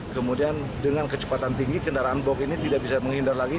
kemudian dengan kecepatan tinggi kendaraan box ini tidak bisa menghindar lagi